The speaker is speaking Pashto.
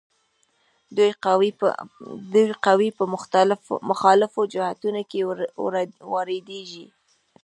دوه قوې په مخالفو جهتونو کې واردیږي.